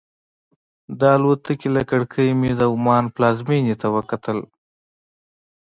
د الوتکې له کړکۍ مې د عمان پلازمېنې ته وکتل.